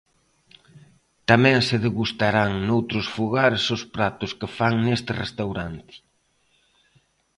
Tamén se degustarán noutros fogares os pratos que fan neste restaurante.